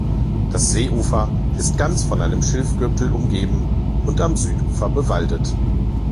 Das Seeufer ist ganz von einem Schilfgürtel umgeben und am Südufer bewaldet.